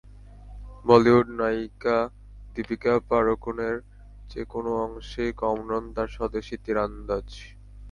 বলিউড নায়িকা দীপিকা পাড়ুকোনের চেয়ে কোনো অংশেই কম নন তাঁর স্বদেশি তিরন্দাজ।